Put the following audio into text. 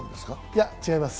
いや、違います。